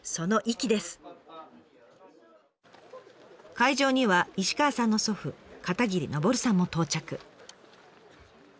会場には石川さんの祖父片桐登さんも到着。